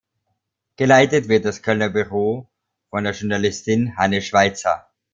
Geleitet wird das Kölner Büro von der Journalistin Hanne Schweitzer.